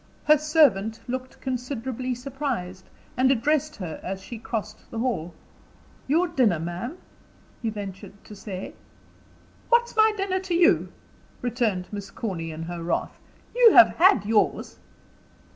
Her servant looked considerably surprised, and addressed her as she crossed the hall. "Your dinner, ma'am?" he ventured to say. "What's my dinner to you?" returned Miss Corny, in her wrath. "You have had yours."